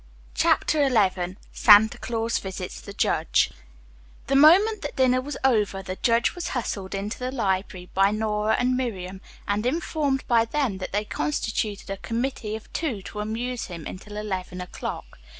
CHAPTER XI SANTA CLAUS VISITS THE JUDGE The moment that dinner was over the judge was hustled into the library by Nora and Miriam, and informed by them that they constituted a committee of two to amuse him until eleven o'clock.